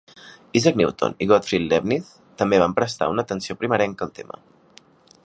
Isaac Newton i Gottfried Leibniz també van prestar una atenció primerenca al tema.